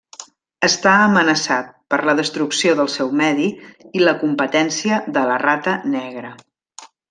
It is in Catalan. Està amenaçat per la destrucció del seu medi i la competència de la rata negra.